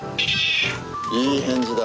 いい返事だ。